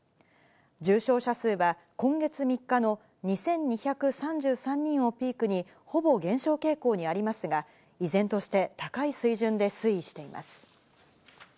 重症者数は、今月３日の２２３３人をピークにほぼ減少傾向にありますが、依然として高い水準で推移しています。